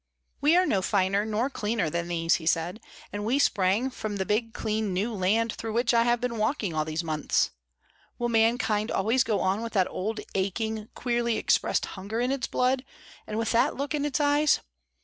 "We are no finer nor cleaner than these," he said, "and we sprang from the big clean new land through which I have been walking all these months. Will mankind always go on with that old aching, queerly expressed hunger in its blood, and with that look in its eyes?